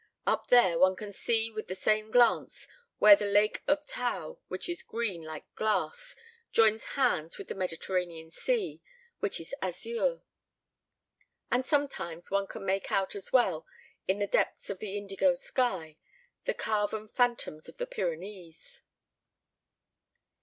Up there, one can see with the same glance where the Lake of Thau, which is green like glass, joins hands with the Mediterranean Sea, which is azure; and sometimes one can make out as well, in the depths of the indigo sky, the carven phantoms of the Pyrenees.